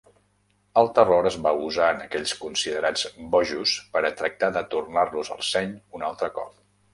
El terror es va usar en aquells considerats bojos per a tractar de tornar-los el seny un altre cop.